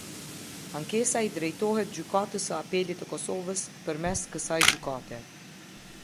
Ankesa i drejtohet Gjykatës së Apelit të Kosovës, përmes kësaj Gjykate.